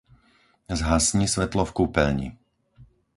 Zhasni svetlo v kúpeľni.